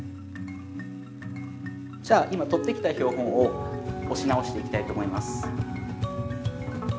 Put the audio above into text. じゃあ今採ってきた標本を押し直していきたいと思います。